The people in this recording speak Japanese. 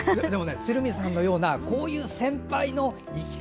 鶴見さんのようなこういう先輩の生き方